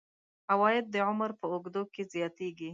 عواید د عمر په اوږدو کې زیاتیږي.